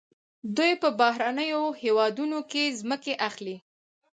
دوی په بهرنیو هیوادونو کې ځمکې اخلي.